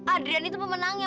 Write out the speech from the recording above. adrian itu pemenangnya